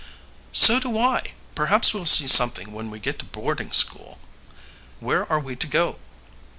"So do I. Perhaps we'll see something when we get to boarding school." "Where are we to go?"